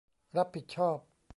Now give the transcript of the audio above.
รับผิดชอบ